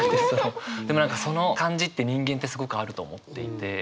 その感じって人間ってすごくあると思っていて。